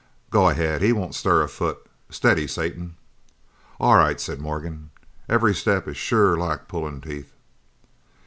"Go ahead. He won't stir a foot. Steady, Satan!" "All right," said Morgan, "every step is sure like pullin' teeth!"